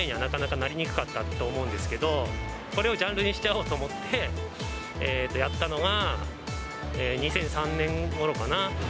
ジャンル名にはなかなかなりにくかったと思うんですけど、これをジャンルにしちゃおうと思って、やったのが２００３年ごろかな？